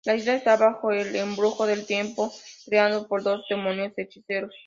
La isla está bajo el embrujo del tiempo creado por los demonios hechiceros.